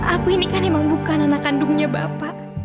aku ini kan emang bukan anak kandungnya bapak